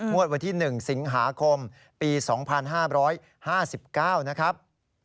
วันที่๑สิงหาคมปี๒๕๕๙นะครับ